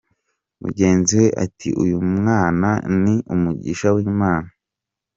Mugenzi we ati “Uyu mwana ni umugisha w’Imana.